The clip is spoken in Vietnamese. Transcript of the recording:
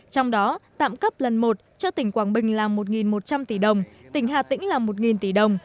trong đó tạm cấp lần một cho tỉnh quảng bình là một một trăm linh tỷ đồng tỉnh hà tĩnh là một tỷ đồng